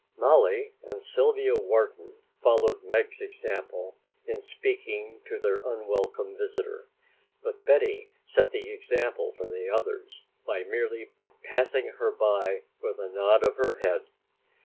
Mollie and Sylvia Wharton followed Meg's example in speaking to their unwelcome visitor, but Betty set the example for the others, by merely passing her by with a nod of her head.